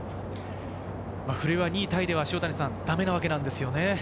古江は２位タイではダメなわけなんですよね。